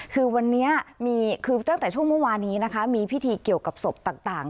คือวันนี้มีคือตั้งแต่ช่วงเมื่อวานนี้นะคะมีพิธีเกี่ยวกับศพต่าง